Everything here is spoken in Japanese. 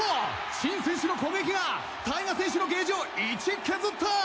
シン選手の攻撃がタイガ選手のゲージを１削った！